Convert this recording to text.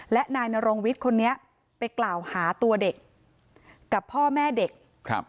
และนายนรงวิทย์คนนี้ไปกล่าวหาตัวเด็กกับพ่อแม่เด็กครับ